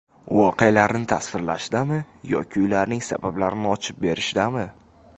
Voqealarni tasvirlashdami yoki ularning sabablarini ochib berishdami?